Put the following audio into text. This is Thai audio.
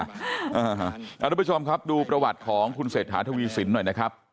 คุณผู้ชมครับดูประวัติของคุณเศรษฐาทวีสินหน่อยนะครับ